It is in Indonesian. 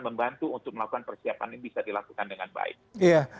membantu untuk melakukan persiapan ini bisa dilakukan dengan baik